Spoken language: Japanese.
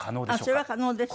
それは可能ですよ。